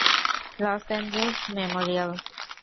Loss Angeles Memorial.